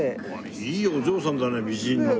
いいお嬢さんだね美人の。